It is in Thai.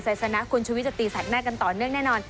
ใส่สนักทุนชาวภิกษ์สัตย์ตรีสะอาดแหน้วกันต่อเนื่องแน่นอน